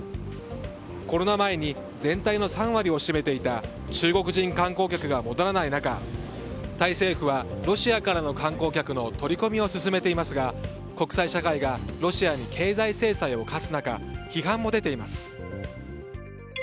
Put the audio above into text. コロナ前に全体の３割を占めていた中国人観光客が戻らない中タイ政府はロシアからの観光客の取り込みを進めていますが国際社会がロシアに経済制裁を科す中批判も出ています。